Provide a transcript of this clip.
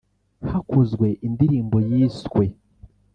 hakozwe indirimbo yiswe